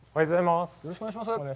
よろしくお願いします。